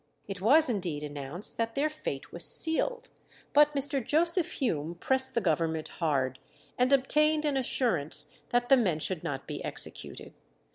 It was indeed announced that their fate was sealed; but Mr. Joseph Hume pressed the Government hard, and obtained an assurance that the men should not be executed.